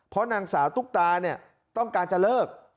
เพราะนางสาวตุ๊กตาเนี่ยต้องการจะเลิก